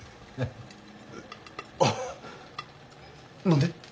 えっ何で？